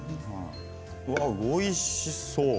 うわあ、おいしそう。